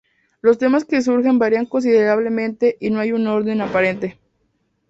Los temas que surgen varían considerablemente, y no hay un orden aparente.